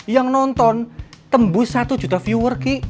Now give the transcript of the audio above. yang nonton tembus satu juta viewer key